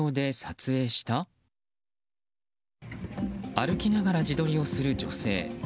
歩きながら自撮りをする女性。